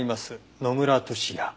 野村俊哉」